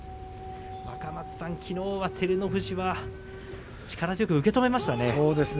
若松さん、きのうは照ノ富士は力強く受け止めましたね。